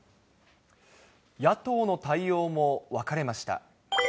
野党の対応も分かれました。